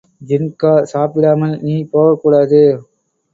ஜின்கா, சாப்பிடாமல் நீ போகக்கூடாது.